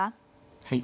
はい。